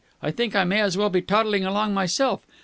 I think I may as well be toddling along myself.